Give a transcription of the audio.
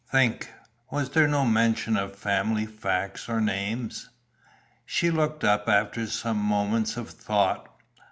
Think, was there no mention of family facts or names?" She looked up after some moments of thought.